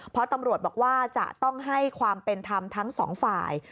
เพราะตำรวจบอกว่าจะต้องให้ความเป็นธรรมทั้งสองฝ่าย